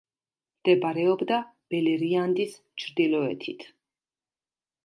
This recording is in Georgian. მდებარეობდა ბელერიანდის ჩრდილოეთით.